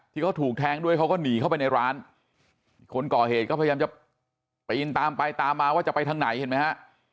ที่เขาถูกแทงด้วยเขาก็หนีเข้าไปในร้านคนก่อเหตุก็พยายามจะปีนตามไปตามมาว่าจะไปทางไหนเห็นไหมฮะ